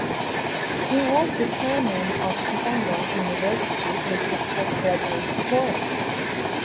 He was the Chairman of Chittagong University Registered Graduate Forum.